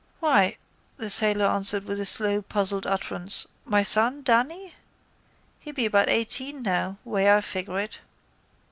—Why, the sailor answered with a slow puzzled utterance, my son, Danny? He'd be about eighteen now, way I figure it.